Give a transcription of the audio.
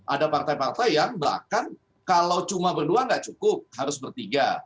ada partai partai yang bahkan kalau cuma berdua nggak cukup harus bertiga